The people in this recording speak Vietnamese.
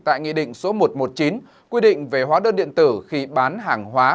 tại nghị định số một trăm một mươi chín quy định về hóa đơn điện tử khi bán hàng hóa